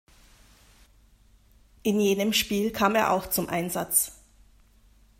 In jenem Spiel kam er auch zum Einsatz.